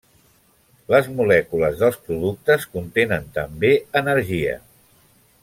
Les molècules dels productes contenen també energia.